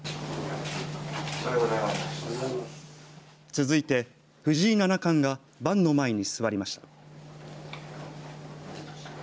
続いて藤井七冠が盤の前に座りました。